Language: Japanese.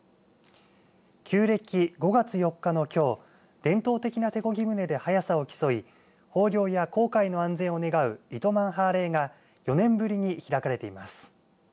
旧暦５月４日のきょう伝統的な手こぎ船で速さを競う豊漁や航海の安全を願う糸満ハーレーが４年ぶりに開かれています。